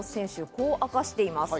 こう明かしています。